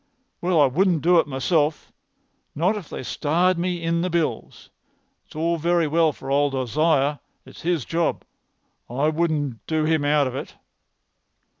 "Well, I wouldn't do it myself—not if they starred me in the bills. It's all very well for old Isaiah. It's his job, and I wouldn't do him out of it."